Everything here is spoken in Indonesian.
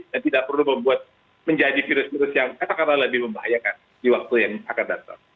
dan tidak perlu membuat menjadi virus virus yang akan lebih membahayakan di waktu yang akan datang